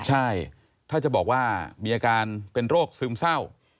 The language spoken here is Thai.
ใช่ถ้าจะบอกว่ามีอาการเป็นโรคซึมเศร้า